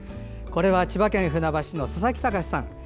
これは千葉県船橋市の佐々木貴さん。